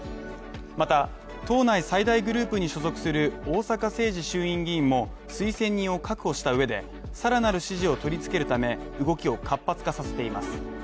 また、党内最大グループに所属する逢坂誠二衆院議員も推薦人を確保した上で、さらなる支持を取り付けるため、動きを活発化させています。